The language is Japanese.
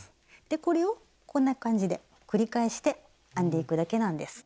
これをこんな感じで繰り返して編んでいくだけなんです。